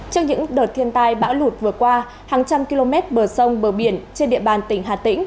trong những đợt thiên tai bão lụt vừa qua hàng trăm km bờ sông bờ biển trên địa bàn tỉnh hà tĩnh